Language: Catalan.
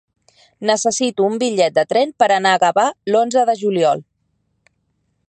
Necessito un bitllet de tren per anar a Gavà l'onze de juliol.